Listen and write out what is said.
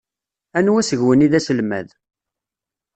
Anwa seg-wen i d aselmad.